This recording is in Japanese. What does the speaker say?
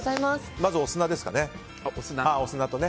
まずお砂ですかね。